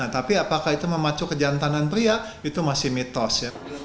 tapi apakah itu memacu kejantanan pria itu masih mitos ya